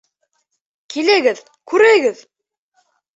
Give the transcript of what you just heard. - Килегеҙ, күрегеҙ!